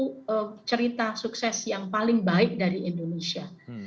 ini adalah salah satu cerita sukses yang paling baik dari indonesia